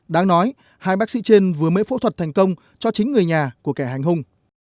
đáng nói hai bác sĩ trên vừa mới phẫu thuật thành công cho chính người nhà của kẻ hành hung